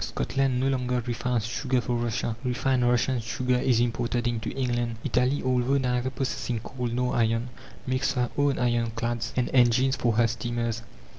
Scotland no longer refines sugar for Russia: refined Russian sugar is imported into England. Italy, although neither possessing coal nor iron, makes her own iron clads and engines for her steamers.